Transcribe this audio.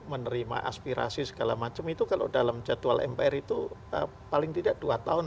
menerima aspirasi segala macam itu kalau dalam jadwal mpr itu paling tidak dua tahun